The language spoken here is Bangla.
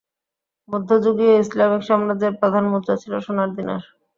মধ্যযুগীয় ইসলামিক সম্রাজ্যের প্রধান মুদ্রা ছিলো সোনার দিনার।